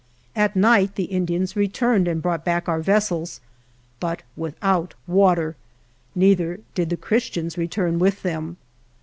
At night the Indians returned and brought back our vessels, but without water; neither did the Christians return with them.